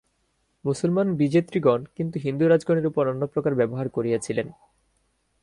মুসলমানবিজেতৃগণ কিন্তু হিন্দুরাজগণের উপর অন্য প্রকার ব্যবহার করিয়াছিলেন।